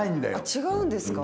違うんですか。